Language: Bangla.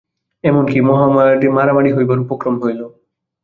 এমন কি, মারামারি হইবার উপক্রম হইল।